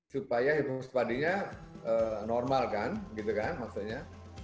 supaya hipospadinya normal kan gitu kan maksudnya